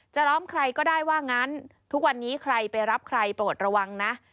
ล้อมใครก็ได้ว่างั้นทุกวันนี้ใครไปรับใครโปรดระวังนะ